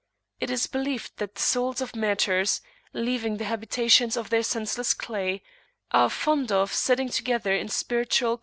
It is believed that the souls of martyrs, leaving the habitations of their senseless clay, [FN#19] are fond of sitting together in spiritual [p.